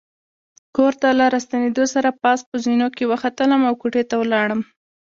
کور ته له راستنېدو سره پاس په زینو کې وختلم او کوټې ته ولاړم.